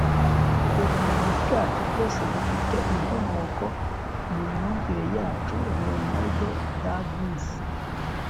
ubumenyi bwacu bwose bufite inkomoko mu myumvire yacu. - leonardo da vinci